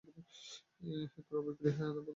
ইহাই ক্রয়-বিক্রয়, ইহাই আদানপ্রদান।